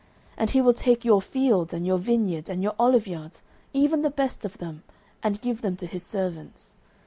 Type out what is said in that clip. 09:008:014 And he will take your fields, and your vineyards, and your oliveyards, even the best of them, and give them to his servants.